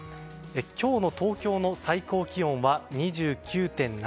今日の東京の最高気温は２９．７度。